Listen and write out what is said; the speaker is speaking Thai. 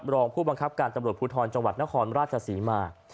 รองผู้บังคับการตำรวจภูทรจังหวัดนครราชศรีมา